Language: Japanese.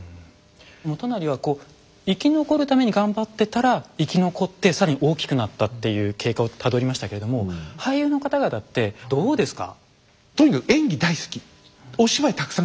元就は生き残るために頑張ってたら生き残って更に大きくなったっていう経過をたどりましたけれども俳優の方々ってどうですか？